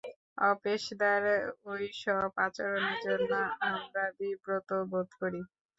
অপেশাদার ওই সব আচরণের জন্য আমরা বিব্রত বোধ করি।